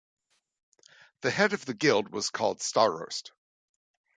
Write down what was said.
The head of the guild was called "staroste".